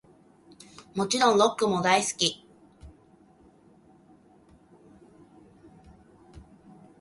もちろんロックも大好き♡